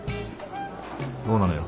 どうなのよ？